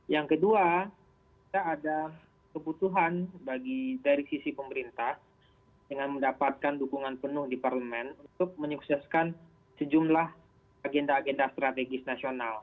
yang kedua kita ada kebutuhan bagi dari sisi pemerintah dengan mendapatkan dukungan penuh di parlemen untuk menyukseskan sejumlah agenda agenda strategis nasional